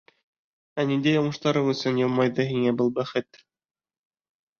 — Ә ниндәй уңыштарың өсөн йылмайҙы һиңә был бәхет?